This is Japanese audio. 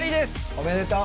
おめでとう。